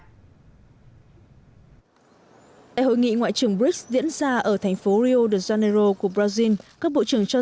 tại hội nghị ngoại trưởng brics diễn ra ở thành phố rio de janeiro của brazil các bộ trưởng cho